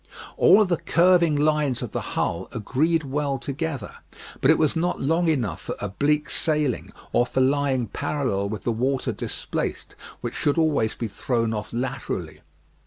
All the curving lines of the hull agreed well together, but it was not long enough for oblique sailing, or for lying parallel with the water displaced, which should always be thrown off laterally.